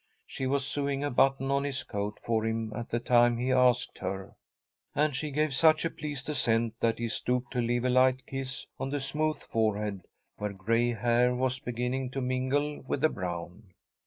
She was sewing a button on his coat for him at the time he asked her, and she gave such a pleased assent that he stooped to leave a light kiss on the smooth forehead where gray hair was beginning to mingle with the brown.